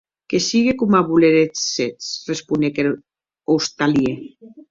Que sigue coma voléssetz, responec er ostalièr.